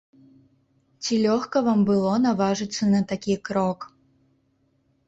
Ці лёгка вам было наважыцца на такі крок?